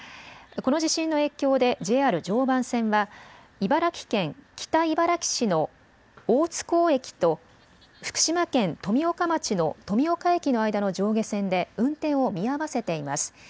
この地震の影響でＪＲ常磐線は茨城県北茨城市の大津港駅と福島県富岡町の富岡駅の間の上下線で運転を見合わせています。